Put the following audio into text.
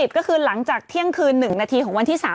ก็คือหลังจากเที่ยงคืน๑นาทีของวันที่๓